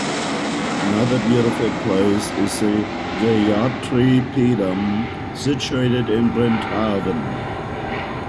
Another beautiful place is the Gayathri Peedam, situated in Brindhaven.